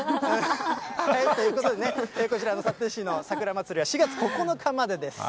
ということでね、こちらの幸手市の桜まつりは４月９日までです。